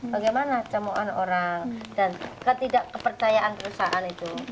bagaimana camuan orang dan ketidak kepercayaan perusahaan itu